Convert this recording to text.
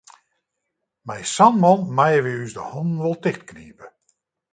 Mei sa'n man meie wy ús de hannen wol tichtknipe.